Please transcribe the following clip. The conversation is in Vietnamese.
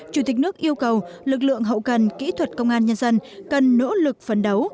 chủ tịch nước yêu cầu lực lượng hậu cần kỹ thuật công an nhân dân cần nỗ lực phấn đấu